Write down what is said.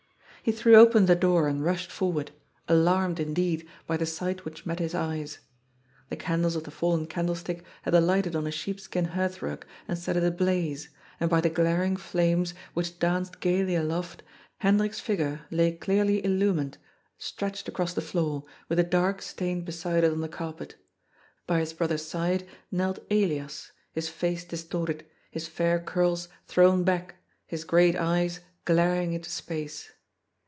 He threw open the door and rushed forward, alarmed, indeed, by the sight which met his eyes. The candles of the fallen candlestick had alighted on a sheepskin hearth rug and set it ablaze, and by the glaring flames, which danced gaily aloft, Hen drik's figure lay clearly illumined, stretched across the floor, with a dark stain beside it on the carpet. By his brother's side knelt Elias, his face distorted, his fair curls thrown back, his great eyes glaring into space.